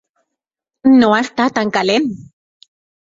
No està tan calent!